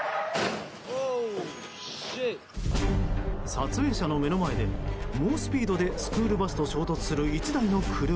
撮影者の目の前で、猛スピードでスクールバスと衝突する１台の車。